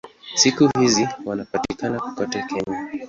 Siku hizi wanapatikana kote Kenya.